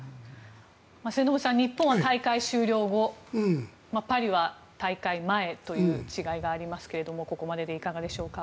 末延さん日本は大会終了後パリは大会前という違いがありますけどもここまででいかがでしょうか。